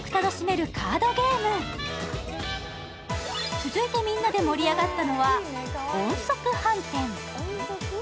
続いて、みんなで盛り上がったのは「音速飯店」。